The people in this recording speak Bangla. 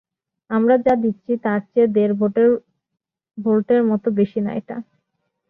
আমরা যা দিচ্ছি তার চেয়ে দেড় ভোল্টের মতো বেশি না এটা।